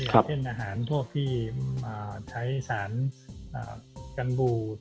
เช่นอาหารพวกที่ใช้สารกันบูด